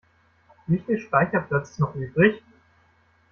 Wie viel Speicherplatz ist noch übrig?